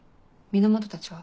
源たちは？